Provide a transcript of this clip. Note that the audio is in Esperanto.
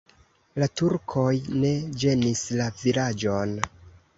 La turkoj ne ĝenis la vilaĝon.